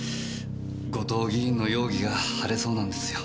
後藤議員の容疑が晴れそうなんですよ。